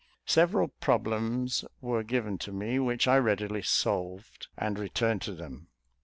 Several problems were given to me, which I readily solved, and returned to them.